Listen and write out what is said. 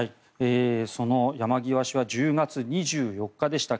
その山際氏は１０月２４日でした。